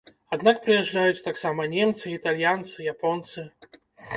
Аднак прыязджаюць таксама немцы, італьянцы, японцы.